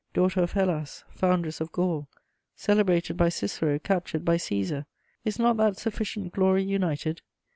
Daughter of Hellas, foundress of Gaul, celebrated by Cicero, captured by Cæsar, is not that sufficient glory united?